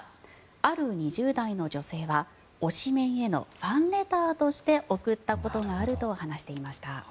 ある２０代の女性は推しメンへのファンレターとして送ったことがあると話していました。